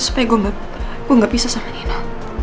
supaya aku tidak bisa dengan nino